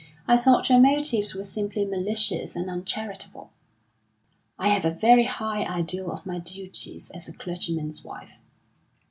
I thought your motives were simply malicious and uncharitable." "I have a very high ideal of my duties as a clergyman's wife."